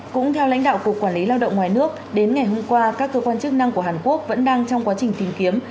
cũng theo lãnh đạo cục quản lý lao động ngoài nước đến ngày hôm qua các cơ quan chức năng của hàn quốc vẫn đang trong quá trình tìm kiếm